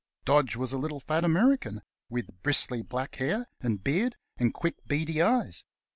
Dodge was a little, fat American, with bristly, black hair and beard, and quick, beady eyes.